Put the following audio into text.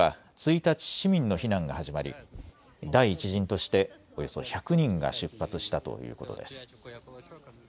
製鉄所では１日、市民の避難が始まり第１陣としておよそ１００人が出発したということです。